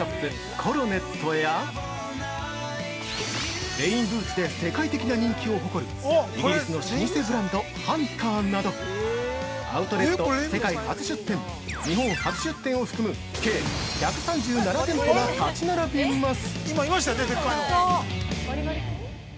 ＣＯＲＯＮＥＴやレインブーツで世界的な人気を誇るイギリスの老舗ブランドＨＵＮＴＥＲなどアウトレット世界初出店日本初出店を含む計１３７店舗が立ち並びます！